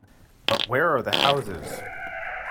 But where are the houses?